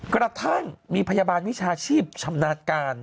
กระทั่งมีพยาบาลวิชาชีพชำนาญการ